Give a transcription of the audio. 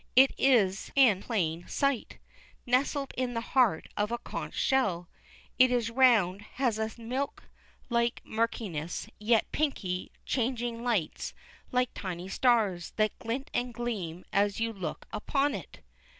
It is in plain sight, nestled in the heart of a conch shell. It is round, has a milk like murkiness, yet pinky, changing lights like tiny stars, that glint and gleam as you look upon it.